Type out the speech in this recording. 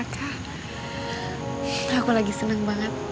aku lagi senang banget